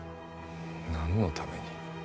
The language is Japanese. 何のために？